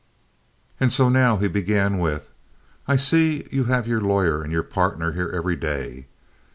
And so now he began with: "I see you have your lawyer and your partner here every day.